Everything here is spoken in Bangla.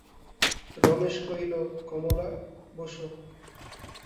রমেশ কহিল, কমলা, বোসো।